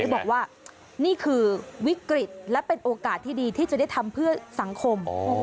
บอกว่านี่คือวิกฤตและเป็นโอกาสที่ดีที่จะได้ทำเพื่อสังคม